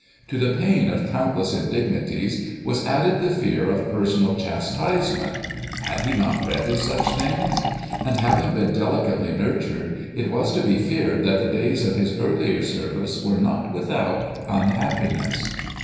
To the pain of countless indignities was added the fear of personal chastisement (had he not read of such things?), and, having been delicately nurtured, it is to be feared that the days of his earlier service were not without unhappiness.